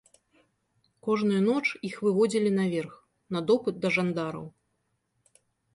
Кожную ноч іх выводзілі наверх, на допыт да жандараў.